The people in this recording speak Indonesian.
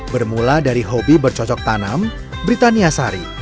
bermula dari hobi bercocok tanam britania sari